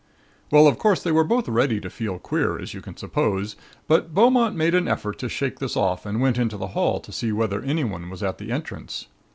"Of course they were both ready to feel queer, as you can suppose, but Beaumont made an effort to shake this off and went into the hall to see whether anyone was at the entrance.